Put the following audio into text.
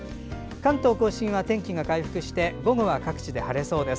関東・甲信は天気が回復して午後は各地で晴れそうです。